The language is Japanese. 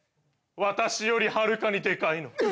私よりはるかにでかいの。